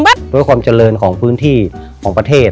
เพื่อความเจริญของพื้นที่ของประเทศ